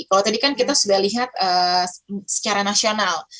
kalau tadi kan kita sudah lihat secara nasional